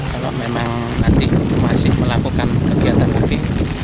kalau memang nanti masih melakukan kegiatan lebih